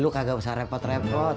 lu kagak usah repot repot